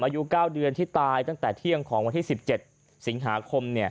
อายุ๙เดือนที่ตายตั้งแต่เที่ยงของวันที่๑๗สิงหาคม